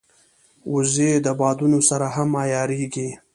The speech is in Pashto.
وزې د بادونو سره هم عیارېږي